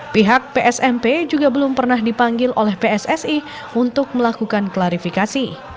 pihak psmp juga belum pernah dipanggil oleh pssi untuk melakukan klarifikasi